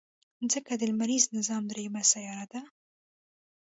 مځکه د لمریز نظام دریمه سیاره ده.